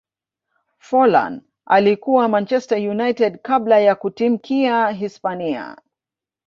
forlan alikuwa manchester united kabla ya kutimkia hispania